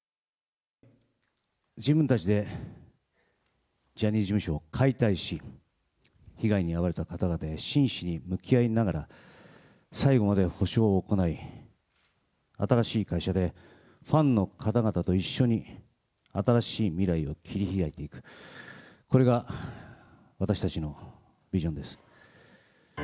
自分たちでジャニーズ事務所を解体し、被害に遭われた方々へ真摯に向き合いながら、最後まで補償を行い、新しい会社でファンの方々と一緒に新しい未来を切り開いていく、これが私たちのビジョンです。